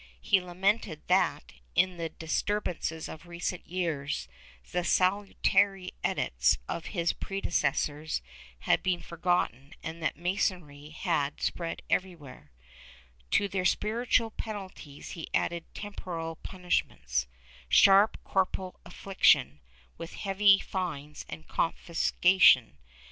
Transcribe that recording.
He lamented that, in the dis turbances of recent years, the salutary edicts of his predecessors had been forgotten and that Masonry had spread everywhere. To their spiritual penalties he added temporal punishments sharp corporal affliction, with heavy fines and confiscation, and ' Tirado y Rojas, I, 269 73, 354.